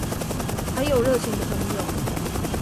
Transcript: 還有熱情的朋友